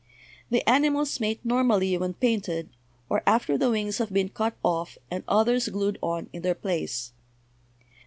The animals mate normally when painted, or after the wings have been cut off and others glued on in their place.